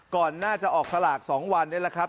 ก่อนหน้าจะออกสลาก๒วันนี้แหละครับ